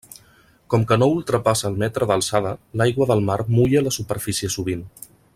Com que no ultrapassa el metre d'alçada, l'aigua del mar mulla la superfície sovint.